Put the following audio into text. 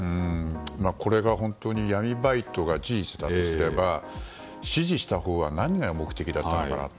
これが本当に闇バイトが事実だとすれば指示した人は何が目的だったのかなと。